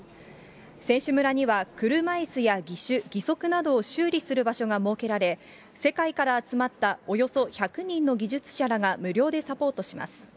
選手村には車いすや義手、義足などを修理する場所が設けられ、世界から集まったおよそ１００人の技術者らが無料でサポートします。